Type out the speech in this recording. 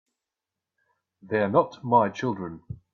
They're not my children.